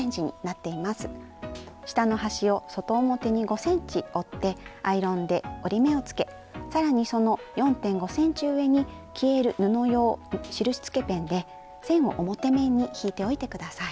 下の端を外表に５ｃｍ折ってアイロンで折り目をつけさらにその４．５ｃｍ上に消える布用印つけペンで線を表面に引いておいて下さい。